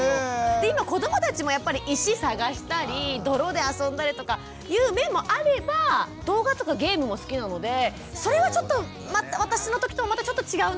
で今子どもたちもやっぱり石探したり泥であそんだりとかいう面もあれば動画とかゲームも好きなのでそれはちょっと私の時とはまたちょっと違うなとか。